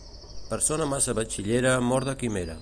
Persona massa batxillera mor de quimera.